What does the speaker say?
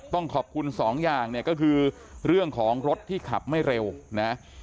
ต้องขอบคุณสองอย่างเนี่ยก็คือเรื่องของรถที่ขับไม่เร็วนะ